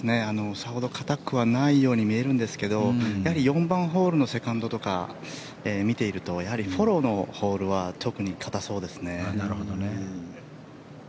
さほど硬くはないように見えるんですが４番ホールのセカンドとか見ているとフォローのホールは特に硬そうですね。